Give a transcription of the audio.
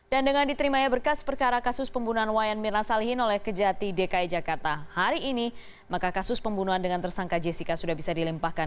dan dengan diterima ya berkas perkara kasus pembunuhan wayan mirna salihin oleh kejati dki jakarta hari ini maka kasus pembunuhan dengan tersangka jessica sudah bisa dilemparkan